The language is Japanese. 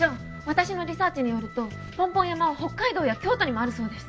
私のリサーチによるとポンポン山は北海道や京都にもあるそうです